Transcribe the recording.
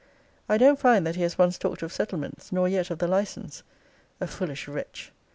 I don't find that he has once talked of settlements; nor yet of the license. A foolish wretch!